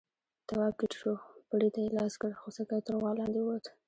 تواب ټيټ شو، پړي ته يې لاس کړ، خوسکی تر غوا لاندې ووت.